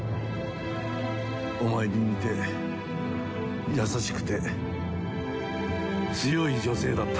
お前に似て優しくて強い女性だった。